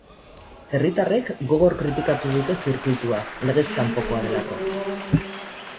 Herritarrek gogor kritikatu dute zirkuitua, legez kanpokoa delako.